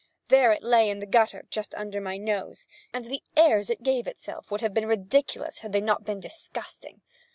There it lay in the gutter just under my nose, and the airs it gave itself would have been ridiculous had they not been disgusting.